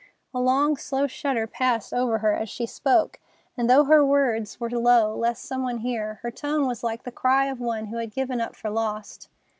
'" A long, slow shudder passed over her as she spoke, and though her words were low, lest some one hear, her tone was like the cry of one who had given up for lost.